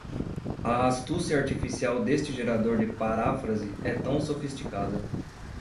A astúcia artificial deste gerador de paráfrase é tão sofisticada